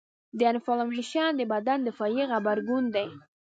د انفلامیشن د بدن دفاعي غبرګون دی.